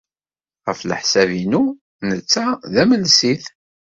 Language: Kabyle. Ɣef leḥsab-inu, netta d tamelsit.